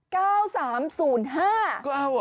ก็เอาเหรอ